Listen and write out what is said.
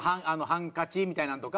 ハンカチみたいなのとか。